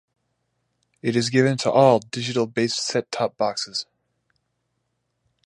It is given to all digital based set-top boxes.